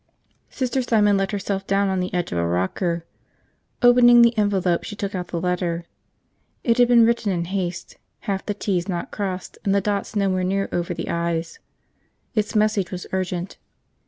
Sister Simon let herself down on the edge of a rocker. Opening the envelope, she took out the letter. It had been written in haste, half the t's not crossed and the dots nowhere near over the i's. Its message was urgent.